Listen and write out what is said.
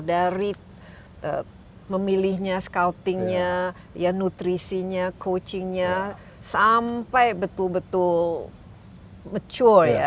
dari memilihnya scoutingnya ya nutrisinya coachingnya sampai betul betul mature ya